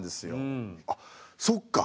あっそっか。